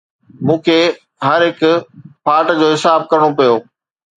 مون کي هر هڪ ڦاٽ جو حساب ڪرڻو پيو